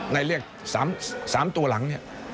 ในเรียก๓ตัวหลัง